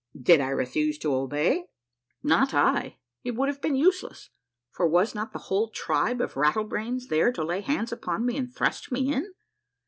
Did I refuse to obey ? Not I. It would have been useless, for was not the whole tribe of Rattlebrains there to lay hands upon me and thrust me in